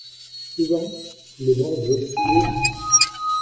Souvent, sous les branches obscures